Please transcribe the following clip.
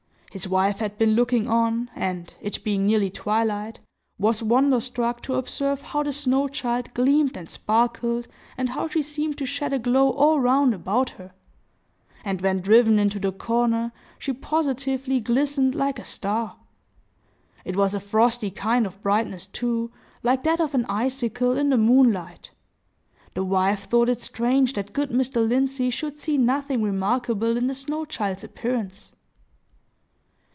His wife had been looking on, and, it being nearly twilight, was wonder struck to observe how the snow child gleamed and sparkled, and how she seemed to shed a glow all round about her; and when driven into the corner, she positively glistened like a star! It was a frosty kind of brightness, too, like that of an icicle in the moonlight. The wife thought it strange that good Mr. Lindsey should see nothing remarkable in the snow child's appearance.